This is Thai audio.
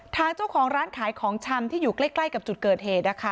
ทางเจ้าของร้านขายของชำที่อยู่ใกล้กับจุดเกิดเหตุนะคะ